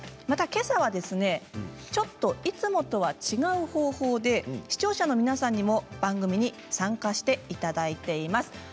また、けさはちょっといつもとは違う方法で視聴者の皆さんにも番組に参加していただいています。